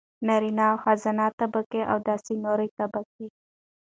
نارينه او ښځينه طبقې او داسې نورې طبقې.